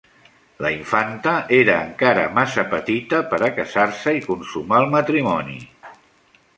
La infanta era encara massa petita per a casar-se i consumar el matrimoni.